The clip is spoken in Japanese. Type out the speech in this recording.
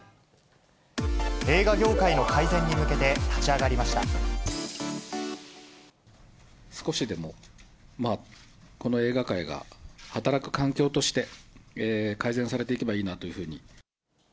映画業界の改善に向けて立ち少しでも、まあ、この映画界が働く環境として改善されていけばいいなというふうに。